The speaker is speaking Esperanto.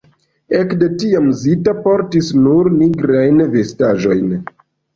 Ek de tiam Zita portis nur nigrajn vestaĵojn.